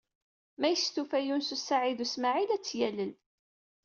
Ma yestufa Yunes u Saɛid u Smaɛil, ad tt-yalel.